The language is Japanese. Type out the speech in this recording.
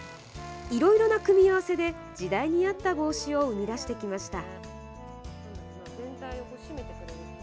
いろいろな組み合わせで時代に合った帽子を生み出してきました。